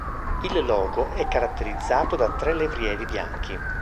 Il logo è caratterizzato da tre levrieri bianchi.